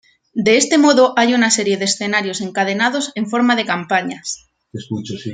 De este modo, hay una serie de escenarios encadenados en forma de campañas.